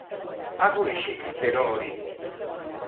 Hago isilik, ero hori!